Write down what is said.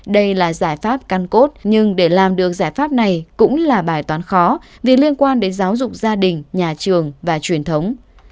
đây là giải pháp căn cốt nhưng để làm được giải pháp này cũng là bài toán khó vì liên quan đến giáo dục gia đình nhà trường và truyền thống